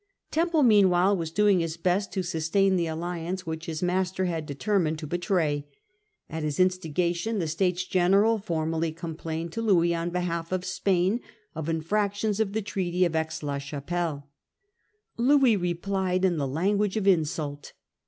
Temple meanwhile was doing his best to sustain the alliance which his master had determined to betray. At his instigation the States General formally complained to Louis, on behalf of Spain, of infractions of the Treaty of Aix la Chapelle. Louis replied in the language of insult.